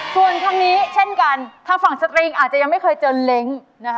ส่วนทางนี้เช่นกันทางฝั่งสตริงอาจจะยังไม่เคยเจอเล้งนะคะ